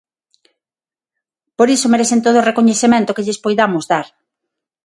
Por iso merecen todo o recoñecemento que lles poidamos dar.